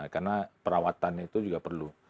karena perawatan itu juga perlu